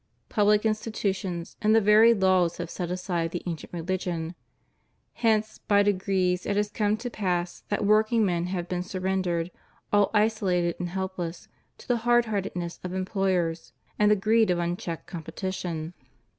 Public institutions and the very laws have set aside the ancient religion. Hence by degrees it has come to pass that workingmen have been surrendered, all isolated and helpless, to the hard heartedness of employers and the greed of unchecked competition.